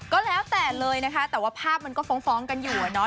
ก็แล้วแต่เลยนะคะแต่ว่าภาพมันก็ฟ้องกันอยู่อะเนาะ